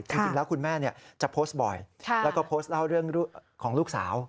จริงแล้วคุณแม่จะพโตส์บ่อยพโตส์เล่าเรื่องของลูกสาว